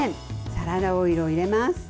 サラダオイルを入れます。